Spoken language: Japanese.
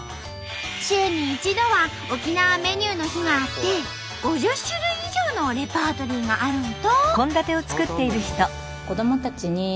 週に１度は沖縄メニューの日があって５０種類以上のレパートリーがあるんと。